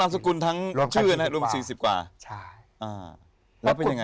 มารวมกันเพื่อให้ตัวเลข